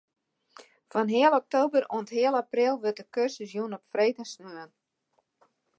Fan heal oktober oant heal april wurdt de kursus jûn op freed en saterdei.